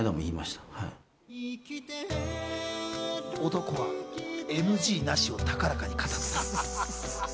男はＮＧなしを高らかに語った。